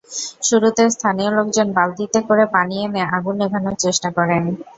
শুরুতে স্থানীয় লোকজন বালতিতে করে পানি এনে আগুন নেভানোর চেষ্টা করেন।